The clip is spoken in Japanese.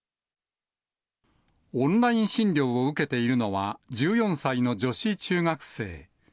オンライン診療を受けているのは、１４歳の女子中学生。